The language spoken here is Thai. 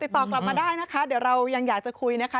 ติดต่อกลับมาได้นะคะเดี๋ยวเรายังอยากจะคุยนะคะ